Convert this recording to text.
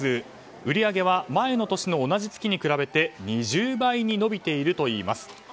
売り上げは前の年の同じ月に比べて２０倍に伸びているといいます。